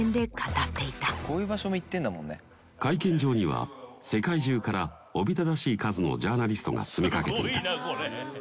会見場には世界中からおびただしい数のジャーナリストが詰め掛けていた。